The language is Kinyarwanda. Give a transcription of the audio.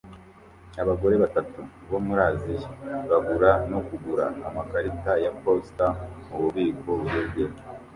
Abagore batatu bo muri Aziya bagura no kugura amakarita ya posita mububiko bugezweho